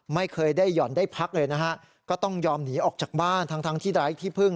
ไม่เคยได้หย่อนได้พักเลยนะฮะก็ต้องยอมหนีออกจากบ้านทั้งทั้งที่ไร้ที่พึ่ง